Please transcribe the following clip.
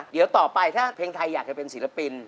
เดี๋ยวต่อไปถ้าเพลงไทยอยากจะเป็นศิลปิน